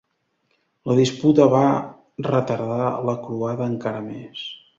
La disputa va retardar la croada encara més.